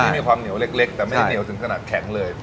มีความเหนียวเล็กแต่ไม่เหนียวถึงขนาดแข็งเลย